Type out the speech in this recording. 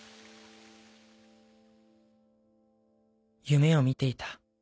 夢を見ていた